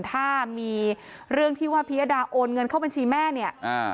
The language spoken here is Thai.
ถ้ามีเรื่องที่ว่าพิยดาโอนเงินเข้าบัญชีแม่เนี่ยอ่า